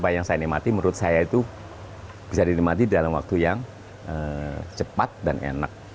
apa yang saya nikmati menurut saya itu bisa dinikmati dalam waktu yang cepat dan enak